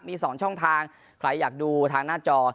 มี๒ช่องทางใครอยากดูทางหน้าจอ